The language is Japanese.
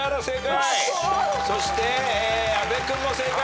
そして阿部君も正解。